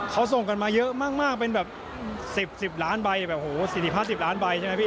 เขาส่งกันมาเยอะมากเป็นแบบ๑๐ล้านใบแบบโอ้โหสินิพัฒน์๑๐ล้านใบใช่ไหมพี่